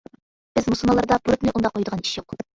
بىز مۇسۇلمانلاردا بۇرۇتنى ئۇنداق قۇيىدىغان ئىش يوق!